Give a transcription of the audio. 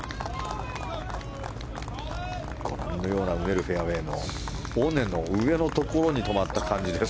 ご覧のようなうねるフェアウェーの尾根の上のところに止まった感じです。